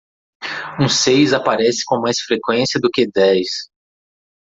Um seis aparece com mais frequência do que dez.